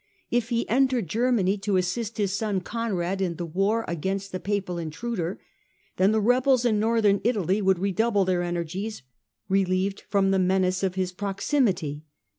If he entered Germany to assist his son Conrad in the war against the Papal intruder, then the rebels in Northern Italy would redouble their energies, relieved from the menace of his proximity.